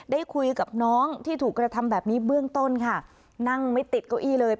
ได้คุยกับน้องที่ถูกกระทำแบบนี้เบื้องต้นค่ะนั่งไม่ติดเก้าอี้เลย